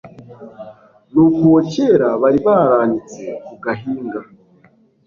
nuko uwo kera bari baranitse ku gahinga